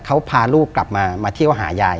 เขาพาลูกกลับมามาเที่ยวหายาย